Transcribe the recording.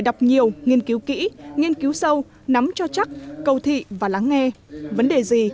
đọc nhiều nghiên cứu kỹ nghiên cứu sâu nắm cho chắc cầu thị và lắng nghe vấn đề gì